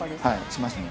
しますね。